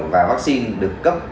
và vaccine được cấp